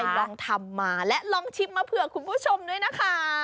ลองทำมาและลองชิมมาเผื่อคุณผู้ชมด้วยนะคะ